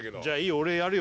俺やるよ